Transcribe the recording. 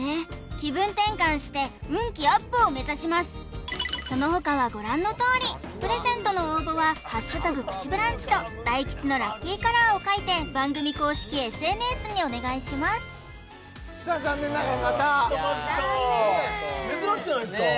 気分転換して運気アップを目指しますその他はご覧のとおりプレゼントの応募は「＃プチブランチ」と大吉のラッキーカラーを書いて番組公式ＳＮＳにお願いしますさあ残念ながらまた残念珍しくないすか？